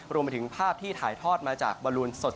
รวมไปถึงภาพที่ถ่ายทอดมาจากบอลลูนสด